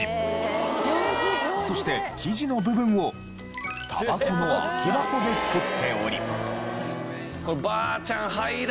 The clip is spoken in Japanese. そして生地の部分をタバコの空き箱で作っており。